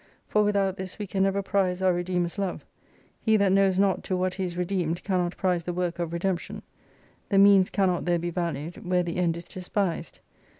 For without this we can never prize our Redeemer's love : He that knows not to what he is redeemed cannot prize the work of redemption. The means cannot there be valued, where the end is despised.